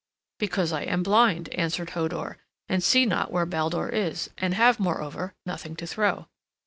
"Because I am blind," answered Hodur, "and see not where Baldur is, and have, moreover, nothing to throw."